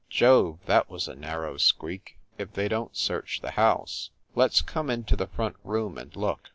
"Jove, that was a narrow squeak if they don t search the house! Let s come into the front room and look."